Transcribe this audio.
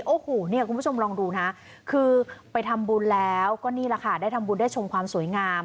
โอ้โหเนี่ยคุณผู้ชมลองดูนะคือไปทำบุญแล้วก็นี่แหละค่ะได้ทำบุญได้ชมความสวยงาม